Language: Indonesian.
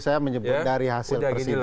saya menyebut dari hasil persidangan